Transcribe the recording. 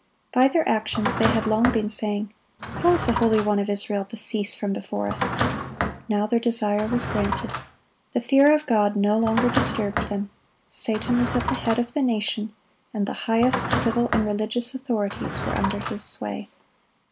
By their actions they had long been saying, "Cause the Holy One of Israel to cease from before us."(38) Now their desire was granted. The fear of God no longer disturbed them. Satan was at the head of the nation, and the highest civil and religious authorities were under his sway.